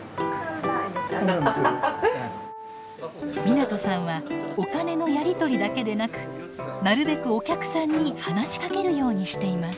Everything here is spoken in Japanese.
湊さんはお金のやり取りだけでなくなるべくお客さんに話しかけるようにしています。